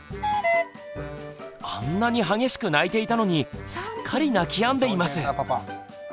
あんなに激しく泣いていたのにすっかり泣きやんでいます！